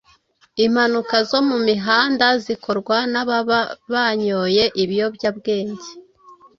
impanuka zo mu mihanda zikorwa n’ababa banyoye ibiyobyabwenge